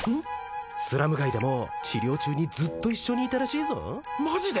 スラム街でも治療中にずっと一緒にいたらしいぞマジで？